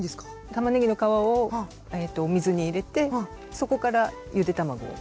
たまねぎの皮を水に入れてそこからゆで卵を。